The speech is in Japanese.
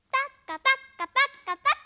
パッカパッカパッカ。